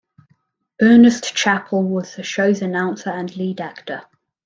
Ernest Chappell was the show's announcer and lead actor.